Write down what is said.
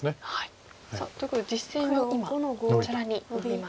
さあということで実戦は今こちらにノビました。